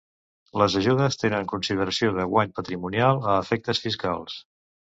Les ajudes tenen consideració de guany patrimonial a efectes fiscals.